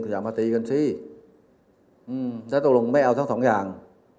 อย่ามาตีกันสิแล้วตกลงไม่เอาทั้งสองอย่าง